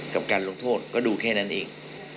กับการลงโทษก็ดูแค่นั้นเอง